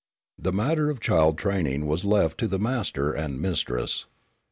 The matter of child training was left to the master and mistress.